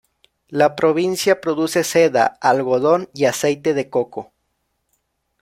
La provincia produce seda, algodón y aceite de coco.